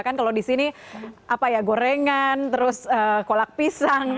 kan kalau di sini apa ya gorengan terus kolak pisang